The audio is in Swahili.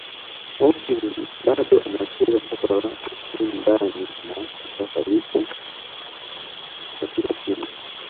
Okwi bado anacheza soka la ushindani na kwa sasa yupo katika timu